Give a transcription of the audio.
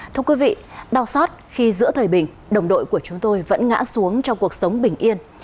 thưa quý vị đau xót khi giữa thời bình đồng đội của chúng tôi vẫn ngã xuống trong cuộc sống bình yên